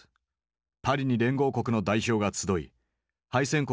パリに連合国の代表が集い敗戦国